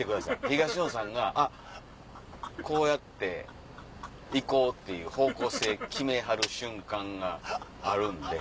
東野さんがあっこうやって行こうっていう方向性決めはる瞬間があるんで。